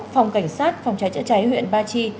phòng cảnh sát phòng cháy chữa cháy huyện ba chi